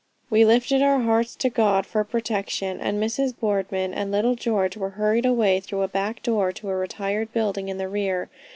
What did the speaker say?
We lifted our hearts to God for protection, and Mrs. Boardman and little George were hurried away through a back door to a retired building in the rear.